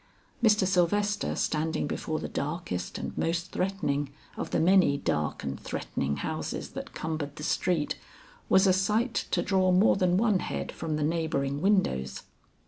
Mr. Sylvester standing before the darkest and most threatening of the many dark and threatening houses that cumbered the street, was a sight to draw more than one head from the neighboring windows.